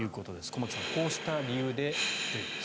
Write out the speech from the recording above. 駒木さん、こうした理由でと。